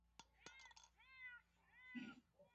د افغانستان په منظره کې دښتې ښکاره دي.